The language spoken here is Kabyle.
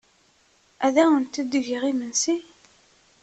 Ad awent-d-geɣ imensi?